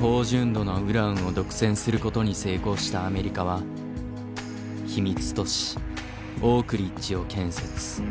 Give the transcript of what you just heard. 高純度のウランを独占することに成功したアメリカは秘密都市オークリッジを建設。